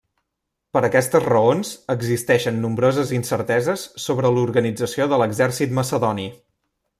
Per aquestes raons, existeixen nombroses incerteses sobre l'organització de l'exèrcit macedoni.